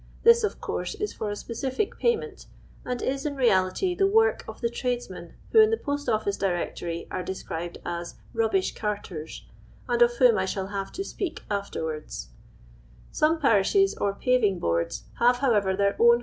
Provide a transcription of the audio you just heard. This of course is for a specific j)ayment, and is in reality tliewo:k of the tradesmen wh«» in ihe Tost Ullice Directory are doscriU'd as " Kubbish Carters," and of whom I shall Inve to speak afterwards, t^ome jiarishe* or paving boards have, however, their own